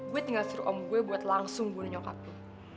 gue tinggal suruh om gue buat langsung bunuh nyokapku